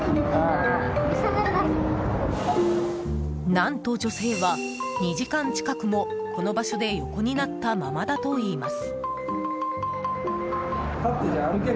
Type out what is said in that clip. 何と、女性は２時間近くもこの場所で横になったままだといいます。